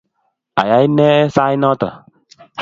Ayay ne sait noto?